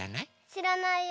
しらないよ。